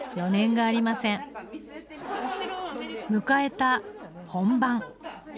迎えた本番。